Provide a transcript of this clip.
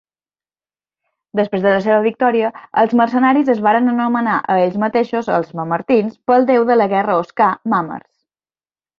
Després de la seva victòria, els mercenaris es van anomenar a ells mateixos els mamertins pel deu de la guerra oscà, Mamers.